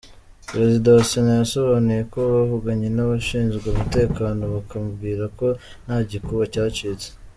Perezida wa Sena yasobanuye ko bavuganye n’abashinzwe umutekano bakabwirwa ko nta gikuba cyacitse.